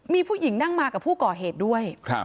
มีผู้หญิงนั่งมากับผู้ก่อเหตุด้วย